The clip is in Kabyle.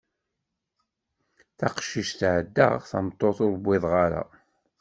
D taqcict ɛeddaɣ, d tameṭṭut ur iwiḍeɣ ara.